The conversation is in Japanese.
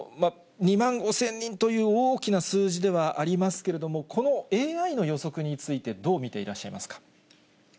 ２万５０００人という大きな数字ではありますけれども、このＡＩの予測について、どう見ていらっしゃいますか。